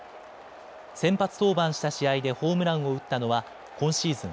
先発登板した試合でホームランを打ったのは今シーズン